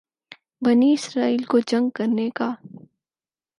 بنی اسرائیل کو جنگ کرنے کا